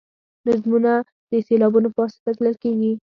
نظمونه د سېلابونو په واسطه تلل کیږي.